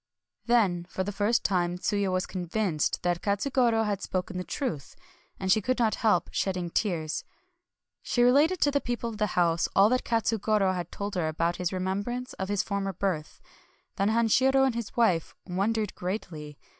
Then for the first time Tsuya was convinced that Katsugoro had spoken the truth ; and she could not help shedding tears. She related to the people of the house all that Katsugoro had told her about his remembrance of his former birth. Then Hanshiro and his wife wondered greatly.